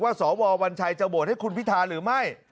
สววัญชัยจะโหวตให้คุณพิธาหรือไม่